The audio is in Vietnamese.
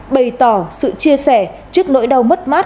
bày tỏ sự chia sẻ trước nỗi đau mất mát